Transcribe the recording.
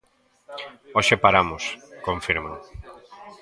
"Hoxe paramos", confirman.